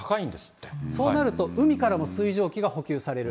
そうなると、海からの水蒸気が補給される。